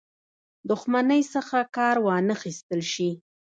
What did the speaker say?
دښمنۍ څخه کار وانه خیستل شي.